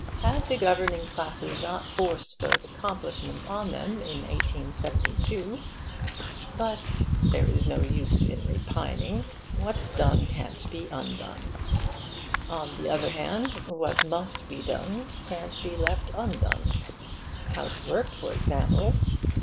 Had the governing classes not forced those accomplishments on them in 1872 But there is no use in repining. What's done can't be undone. On the other hand, what must be done can't be left undone. Housework, for example.